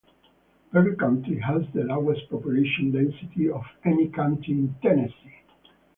Perry County has the lowest population density of any county in Tennessee.